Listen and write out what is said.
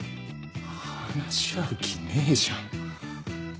話し合う気ねえじゃん。